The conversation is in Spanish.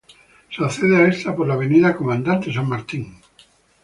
Se accede a esta por la avenida Comandante San Martín.